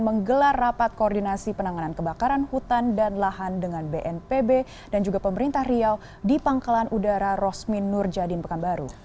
menggelar rapat koordinasi penanganan kebakaran hutan dan lahan dengan bnpb dan juga pemerintah riau di pangkalan udara rosmin nurjadin pekanbaru